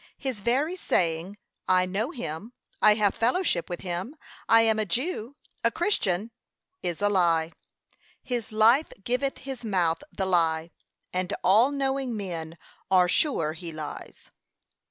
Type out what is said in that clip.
His very saying, I know him, I have fellowship with him, I am a Jew, a Christian, is a lie. His life giveth his mouth the lie: and all knowing men are sure he lies.